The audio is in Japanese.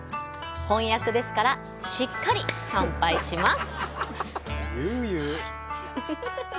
本厄ですから、しっかり参拝します。